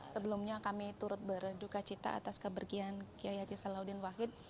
sebelumnya kami turut berdukacita atas kebergian kiai haji salahuddin wahid